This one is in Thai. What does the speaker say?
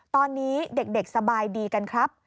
ตอนนี้เด็กสบายดีกันครับ